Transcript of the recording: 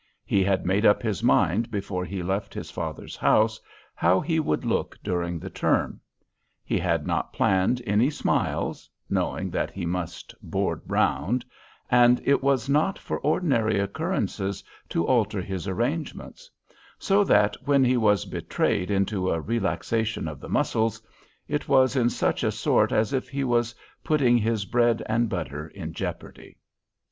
He had made up his mind before he left his father's house how he would look during the term. He had not planned any smiles (knowing that he must "board round"), and it was not for ordinary occurrences to alter his arrangements; so that when he was betrayed into a relaxation of the muscles, it was "in such a sort" as if he was putting his bread and butter in jeopardy.